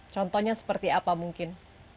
contohnya seperti apa mungkin